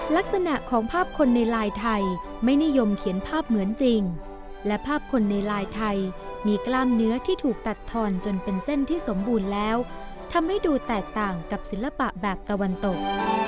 ลักษณะของภาพคนในลายไทยไม่นิยมเขียนภาพเหมือนจริงและภาพคนในลายไทยมีกล้ามเนื้อที่ถูกตัดทอนจนเป็นเส้นที่สมบูรณ์แล้วทำให้ดูแตกต่างกับศิลปะแบบตะวันตก